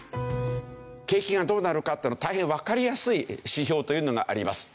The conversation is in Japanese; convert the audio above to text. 景気がどうなるかっていうの大変わかりやすい指標というのがあります。